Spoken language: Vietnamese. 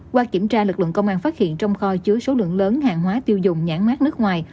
qua kiểm tra lực lượng công an phát hiện trong kho chứa số lượng lớn hàng hóa tiêu dùng nhãn mát nước ngoài